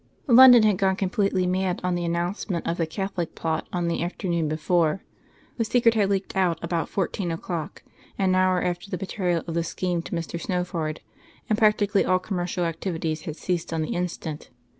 London had gone completely mad on the announcement of the Catholic plot on the afternoon before. The secret had leaked out about fourteen o'clock, an hour after the betrayal of the scheme to Mr. Snowford; and practically all commercial activities had ceased on the instant.